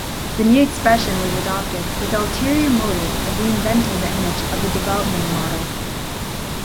The new expression was adopted with the ulterior motive of reinventing the image of the development model.